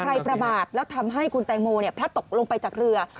ใครประบาดแล้วทำให้คุณแต่งโมพระตกลงไปจากเรือ